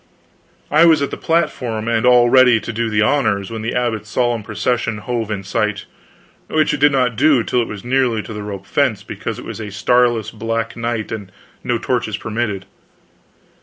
I was at the platform and all ready to do the honors when the abbot's solemn procession hove in sight which it did not do till it was nearly to the rope fence, because it was a starless black night and no torches permitted.